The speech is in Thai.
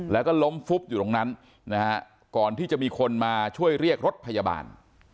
แล้วก็ล้มฟุบอยู่ตรงนั้นนะฮะก่อนที่จะมีคนมาช่วยเรียกรถพยาบาล